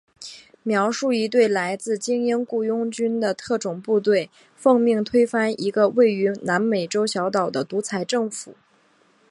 描述一队来自精英雇佣军的特种部队奉命推翻一个位于南美洲小岛的独裁政府。